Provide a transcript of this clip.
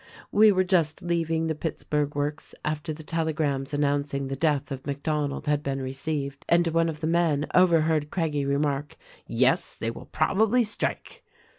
"We were just leaving the Pittsburg works, after the telegrams announcing the death of MacDonald had been received, and one of the men overheard Craggie remark, 'Yes ; they will probably strike.'